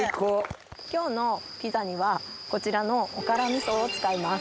今日のピザにはこちらのおから味噌を使います。